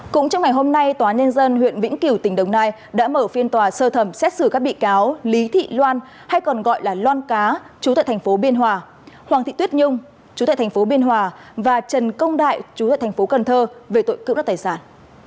cũng trong ngày hôm nay tòa nhân dân huyện vĩnh kiểu tỉnh đồng nai đã mở phiên tòa sơ thẩm xét xử các bị cáo lý thị loan hay còn gọi là loan cá chú tại thành phố biên hòa hoàng thị tuyết nhung chú tại thành phố biên hòa và trần công đại chú tại thành phố cần thơ về tội cưỡng đất tài sản